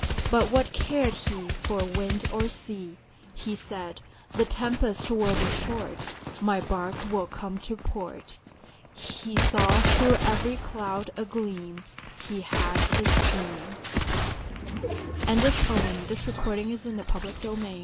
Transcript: But what cared he For wind or sea! He said, "The tempest will be short, My bark will come to port." He saw through every cloud a gleam He had his dream. GOOD NIGHT The lark is silent in his nest, The breeze i